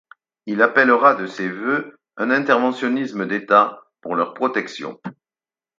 Il appellera de ses vœux un interventionnisme d’État pour leur protection.